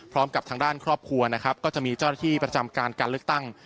พร้อมกับทางด้านครอบครัวนะครับก็จะมีเจ้าหน้าที่ประจำการการเลือกตั้ง